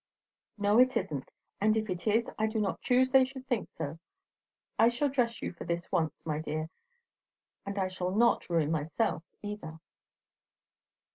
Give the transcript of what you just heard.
"No it isn't; and if it is, I do not choose they should think so. I shall dress you for this once, my dear; and I shall not ruin myself either."